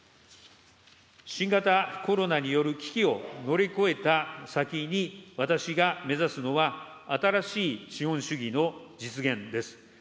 新型コロナによる危機を乗り越えた先に私が目指すのは、新しい資本主義の実現です。